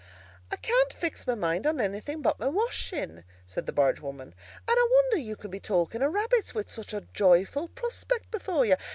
"I can't fix my mind on anything but my washing," said the barge woman, "and I wonder you can be talking of rabbits, with such a joyful prospect before you.